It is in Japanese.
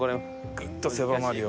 グッと狭まるよ。